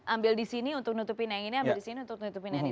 ambil di sini untuk nutupin yang ini ambil di sini untuk nutupin yang ini